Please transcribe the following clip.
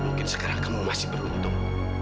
mungkin sekarang kamu masih beruntung